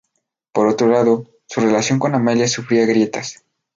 Por otro lado, su relación con Amelia sufría grietas.